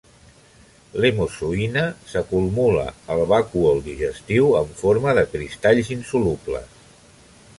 L'hemozoïna s'acumula al vacúol digestiu en forma de cristalls insolubles.